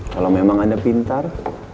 kalau memang anda pintar